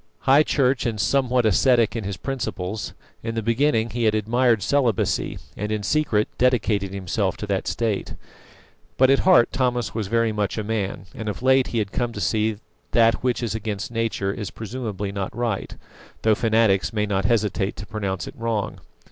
High Church and somewhat ascetic in his principles, in the beginning he had admired celibacy, and in secret dedicated himself to that state. But at heart Thomas was very much a man, and of late he had come to see that that which is against nature is presumably not right, though fanatics may not hesitate to pronounce it wrong.